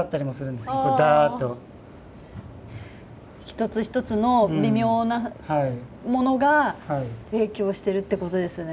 一つ一つの微妙なものが影響してるってことですね。